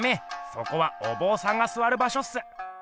そこはおぼうさんがすわる場しょっす。